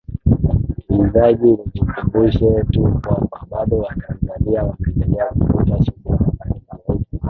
ilizaji ni kukumbushe tu kwamba bado watanzania wanaendelea kuvuta subra wakati zoezi